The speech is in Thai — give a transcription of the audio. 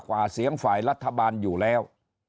กว่าเสียงฝ่ายรัฐบาลอยู่แล้ว